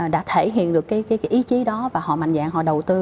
đã thể hiện được ý chí đó và họ mạnh dạng họ đầu tư